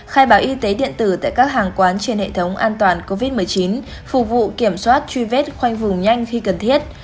khai báo y tế điện tử tại các hàng quán trên hệ thống an toàn covid một mươi chín phục vụ kiểm soát truy vết khoanh vùng nhanh khi cần thiết